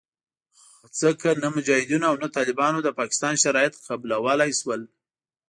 ځکه نه مجاهدینو او نه طالبانو د پاکستان شرایط قبلولې شول